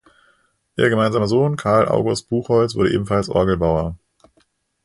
Ihr gemeinsamer Sohn Carl August Buchholz wurde ebenfalls Orgelbauer.